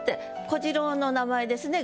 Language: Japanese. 小次郎の名前ですね